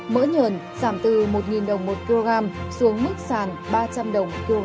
mỡ nhờn giảm từ một đồng một kg xuống mức sàn ba trăm linh đồng một kg